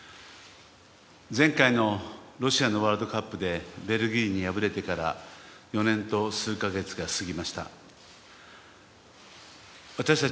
前回のロシアのワールドカップでベルギーに敗れてから４年と数か月が過ぎました。